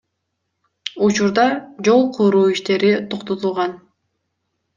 Учурда жол куруу иштери токтотулган.